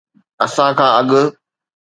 اسان کان اڳ